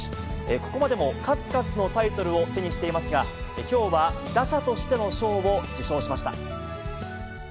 ここまでも数々のタイトルを手にしていますが、きょうは打者としての賞を受賞しました。